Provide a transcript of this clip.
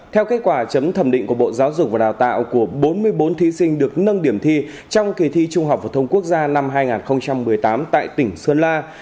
theo kết quả chấm thẩm định của bộ giáo dục và đào tạo của bốn mươi bốn thí sinh được nâng điểm thi trong kỳ thi trung học phổ thông quốc gia năm hai nghìn một mươi tám tại tỉnh sơn la